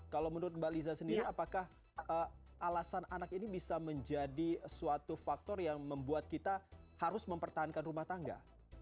kalau menurut mbak liza sendiri apakah alasan anak ini bisa menjadi suatu faktor yang membuat kita harus mempertahankan rumah tangga